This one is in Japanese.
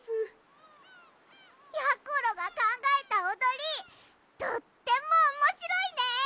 やころがかんがえたおどりとってもおもしろいね！